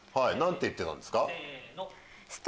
何て言ってたんですか？